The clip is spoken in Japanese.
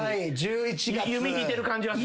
弓引いてる感じはするな。